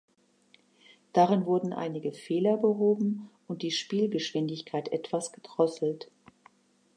Darin wurden einige Fehler behoben und die Spielgeschwindigkeit etwas gedrosselt.